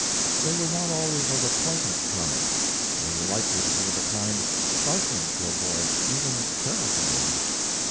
They were not always of a pleasant kind; they were likely to be of a kind startling to a boy, even terrifying.